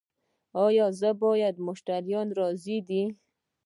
ایا ستاسو مشتریان راضي دي؟